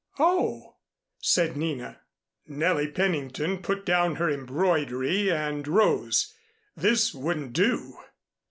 "Oh!" said Nina. Nellie Pennington put down her embroidery and rose. This wouldn't do.